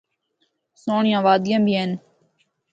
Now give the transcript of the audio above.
سہنڑیاں وادیاں بھی ہن۔